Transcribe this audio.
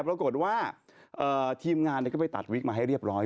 ปรากฏว่าทีมงานก็ไปตัดวิกมาให้เรียบร้อย